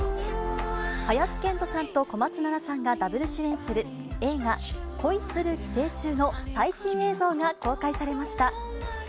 林遣都さんと小松菜奈さんがダブル主演する映画、恋する寄生虫の最新映像が公開されました。